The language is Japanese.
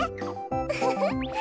ウフフ。